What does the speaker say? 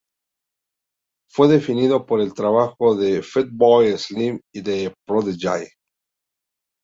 Fue definido por el trabajo de Fatboy Slim y The Prodigy.